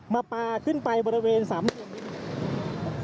มาปลาขึ้นไปบริเวณสำเรียนรินแดง